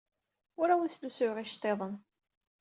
Ur awent-slusuyeɣ iceḍḍiḍen.